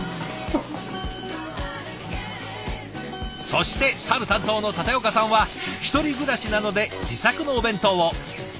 そしてサル担当の舘岡さんは１人暮らしなので自作のお弁当を。